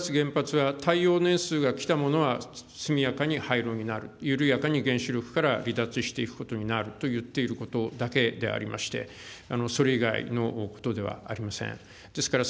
私が言っている脱原発は耐用年数が来たものは速やかに廃炉になる、緩やかに原子力から離脱していくことになると言っているだけでありまして、それ以外のことではありません。